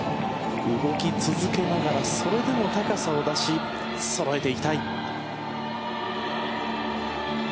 動き続けながらそれでも、高さを出しそろえていきたい。